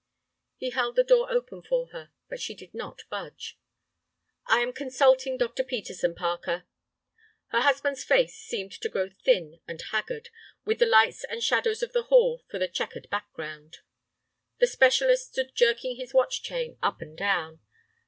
He held the door open for her, but she did not budge. "I am consulting Dr. Peterson, Parker." Her husband's face seemed to grow thin and haggard, with the lights and shadows of the hall for a checkered background. The specialist stood jerking his watch chain up and down.